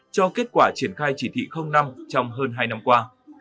cho kết quả triển khai chỉ thị năm trong hơn hai năm qua